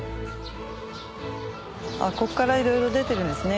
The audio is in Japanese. ここからいろいろ出てるんですね